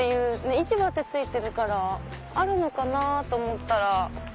「市場」って付いてるからあるのかなと思ったら。